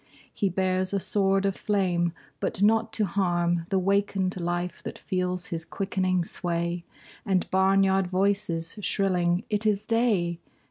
He bears a sword of flame but not to harm The wakened life that feels his quickening sway And barnyard voices shrilling "It is day!"